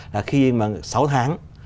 là khi mà sáu tháng